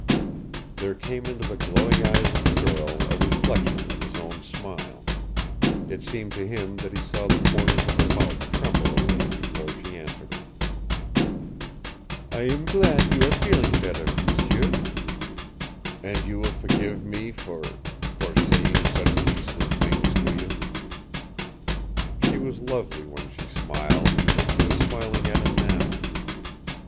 There came into the glowing eyes of the girl a reflection of his own smile. It seemed to him that he saw the corners of her mouth tremble a little before she answered him. "I am glad you are feeling better, m'sieu." "And you will forgive me for for saying such beastly things to you?" She was lovely when she smiled, and she was smiling at him now.